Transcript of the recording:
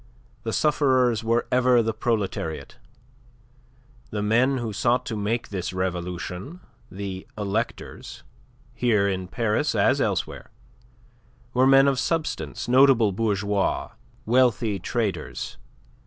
The sufferers were ever the proletariat. The men who sought to make this revolution, the electors here in Paris as elsewhere were men of substance, notable bourgeois, wealthy traders.